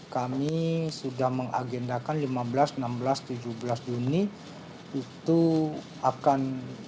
kami sudah mengagendakan lima belas enam belas tujuh belas juni itu akan